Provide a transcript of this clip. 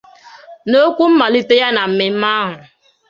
N'okwu mmalite ya na mmemme ahụ